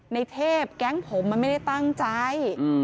ในเทพแก๊งผมมันไม่ได้ตั้งใจ